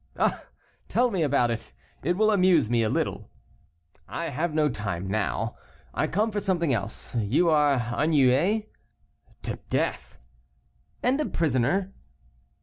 "Ah! tell me about it, it will amuse me a little." "I have no time now, I come for something else. You are ennuyé " "To death." "And a prisoner?"